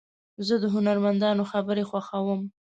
زه د هنرمندانو خبرې خوښوم.